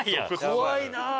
怖いなあ！